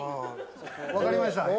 分かりました。